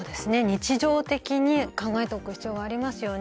日常的に考えておく必要がありますよね。